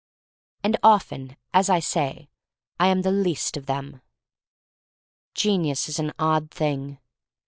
And often, as I say, I am the least ol them. Genius is an odd thing.